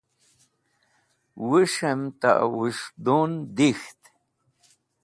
wush'em ta wushdun dikht